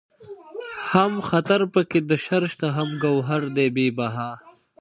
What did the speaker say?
هم خطر پکې د شر شته هم گوهر دئ بې بها